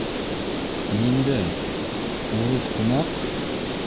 - Ниндәй... урыҫ ҡунаҡ?